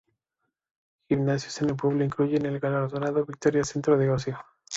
Gimnasios en el pueblo incluyen el galardonado Victoria Centro de Ocio.